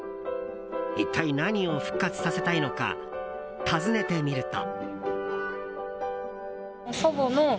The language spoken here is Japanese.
一体、何を復活させたいのか尋ねてみると。